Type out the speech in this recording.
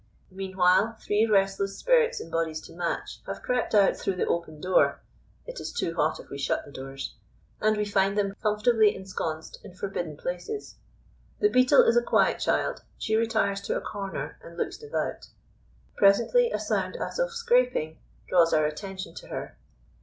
Meanwhile three restless spirits in bodies to match have crept out through the open door (it is too hot if we shut the doors), and we find them comfortably ensconced in forbidden places. The Beetle is a quiet child. She retires to a corner and looks devout. Presently a sound as of scraping draws our attention to her.